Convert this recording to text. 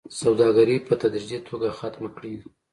سوداګري په تدريجي توګه ختمه کړي